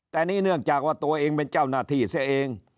แต่นี่เนื่องจากว่าตัวเองเป็นเจ้าหน้าที่เสียเอง